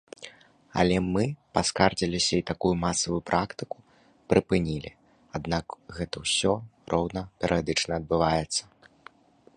Але мы паскардзіліся, і такую масавую практыку прыпынілі, аднак гэта ўсё роўна перыядычна адбываецца.